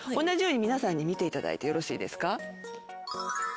同じように皆さんに見ていただいてよろしいですか？